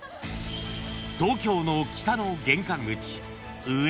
［東京の北の玄関口］